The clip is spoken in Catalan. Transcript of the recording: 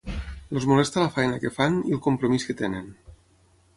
Els molesta la feina que fan i el compromís que tenen.